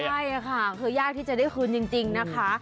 ใช่ค่ะคือยากที่จะได้คืนจริงนะคะ